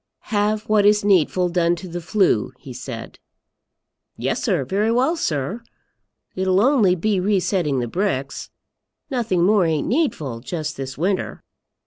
"Have what is needful done to the flue," he said. "Yes, sir; very well, sir. It'll only be re setting the bricks. Nothing more ain't needful, just this winter."